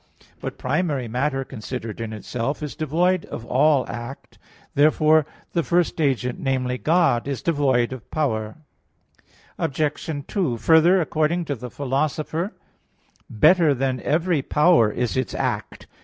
But primary matter, considered in itself, is devoid of all act. Therefore, the first agent namely, God is devoid of power. Obj. 2: Further, according to the Philosopher (Metaph. vi, 19), better than every power is its act.